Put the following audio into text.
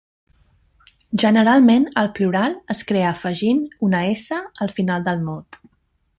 Generalment, el plural es crea afegint una -s al final del mot.